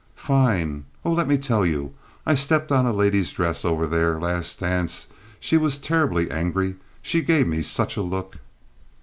"Fine. Oh, let me tell you. I stepped on a lady's dress over there, last dance. She was terribly angry. She gave me such a look."